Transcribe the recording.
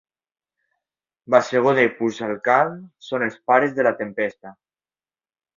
Bassegoda i Puigsacalm són els pares de la tempesta.